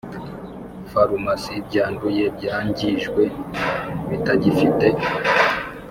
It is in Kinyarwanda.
Farumasi byanduye byangijwe bitagifite